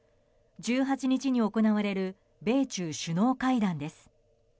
１８日に行われる米中首脳会談です。